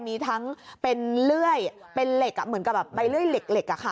มีทั้งเป็นเลื่อยเป็นเหล็กอ่ะเหมือนกับแบบใบเลื่อยเหล็กเหล็กอ่ะค่ะ